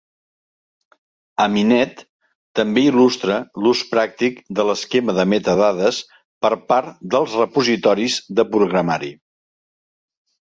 Aminet també il·lustra l'ús pràctic de l'esquema de metadades per part dels repositoris de programari.